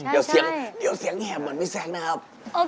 เดี๋ยวเสียงแหบเหมือนพี่แซงนะครับ